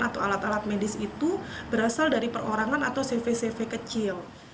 atau alat alat medis itu berasal dari perorangan atau cv cv kecil